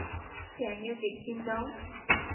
Can you get him down?